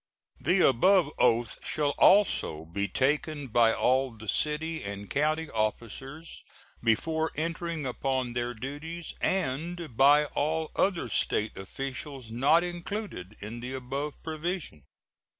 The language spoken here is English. The above oath shall also be taken by all the city and county officers before entering upon their duties, and by all other State officials not included in the above provision.